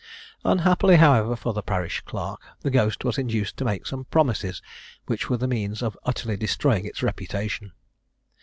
Unhappily, however, for the parish clerk, the ghost was induced to make some promises which were the means of utterly destroying its reputation.